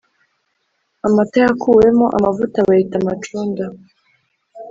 Amata yakuwemo amavuta bayita amacunda